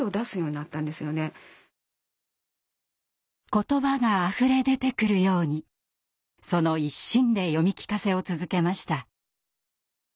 言葉があふれ出てくるようにその一心で読み聞かせを続けました。